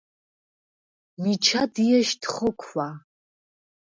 მიჩა დიეშდ ხოქვა: